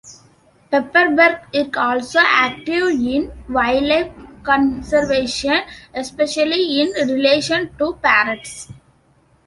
Pepperberg is also active in wildlife conservation, especially in relation to parrots.